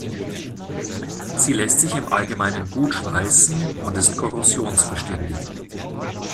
Sie lässt sich im Allgemeinen gut schweißen und ist korrosionsbeständig.